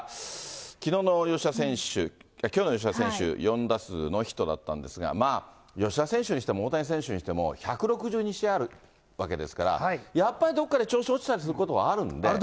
きのうの吉田選手、きょうの吉田選手、４打数ノーヒットだったんですが、まあ、吉田選手にしても、大谷選手にしても、１６２試合あるわけですから、やっぱりどっかで調子落ちたりすることもあるんで。